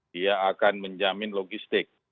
dia akan menjamin logistik